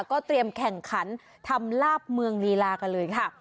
ก็เตรียมแข่งขันทำลาบเมืองลีลากันเลยค่ะ